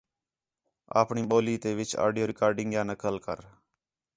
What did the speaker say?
آپݨی ٻولی تے وِچ آڈیو ریکارڈنگیاں نقل کر